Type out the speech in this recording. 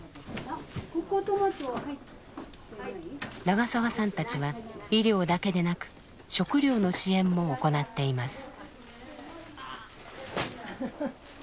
長澤さんたちは医療だけでなく食料の支援も行っています。